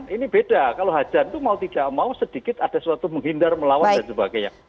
ini beda kalau hajar itu mau tidak mau sedikit ada suatu menghindar melawan dan sebagainya